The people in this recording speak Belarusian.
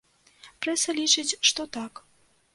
Прэса лічыць, што так.